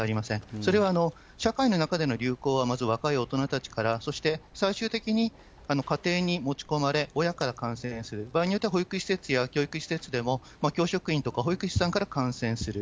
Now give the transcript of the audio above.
それは社会の中での流行はまず若い大人たちから、そして、最終的に家庭に持ち込まれ、親から感染する、場合によっては保育施設や教育施設でも、教職員とか保育士さんから感染する。